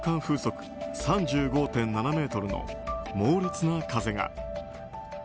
風速３５．７メートルの猛烈な風が。